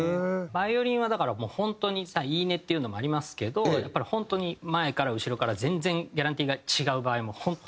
バイオリンはだから本当に言い値っていうのもありますけどやっぱり本当に前から後ろから全然ギャランティーが違う場合も本当たくさんあります。